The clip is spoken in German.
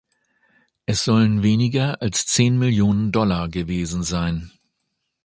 Es sollen weniger als zehn Millionen Dollar gewesen sein.